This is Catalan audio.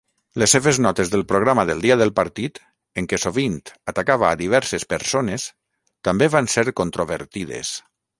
Les seves notes del programa del dia del partit, en què sovint atacava a diverses persones, també van ser controvertides.